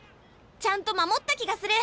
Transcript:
ちゃんと守った気がする。